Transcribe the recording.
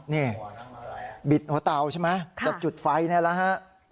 นี่บิดต่อเตาใช่ไหมจนจุดไฟเนี่ยนะฮะ